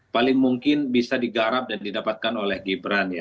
paling mungkin bisa digarap dan didapatkan oleh gibran ya